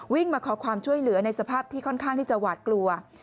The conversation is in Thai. มาขอความช่วยเหลือในสภาพที่ค่อนข้างที่จะหวาดกลัว